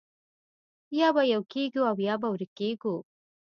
یا به یو کېږو او یا به ورکېږو